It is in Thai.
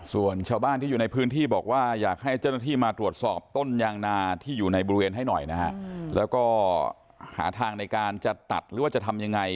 ส่วนชาวบ้านที่อยู่ในพื้นที่บอกว่าอยากให้เจ้าหน้าที่มาตรวจสอบต้นยางนาที่อยู่ในบริเวณให้หน่อยนะฮะแล้วก็หาทางในการจะตัดหรือว่าจะทำยังไง